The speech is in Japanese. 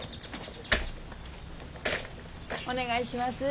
お願いします。